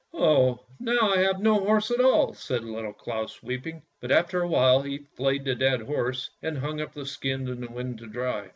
" Oh, now I have no horse at all," said Little Claus, weeping. But after a while he flayed the dead horse, and hung up the skin in the wind to dry.